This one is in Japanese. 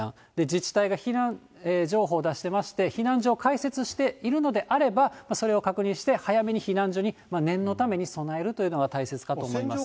自治体が避難情報を出してまして、避難所開設しているのであれば、それを確認して早めに避難所に、念のために備えるというのが大切かと思います。